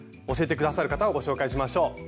教えて下さる方をご紹介しましょう。